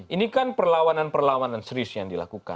ini kan perlawanan perlawanan serius yang dilakukan